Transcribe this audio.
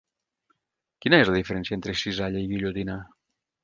Quina és la diferència entre Cisalla i Guillotina?